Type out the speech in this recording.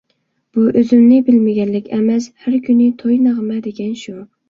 بۇ ئۆزۈمنى بىلمىگەنلىك ئەمەس، ھەر كۈنى توي - نەغمە دېگەن شۇ.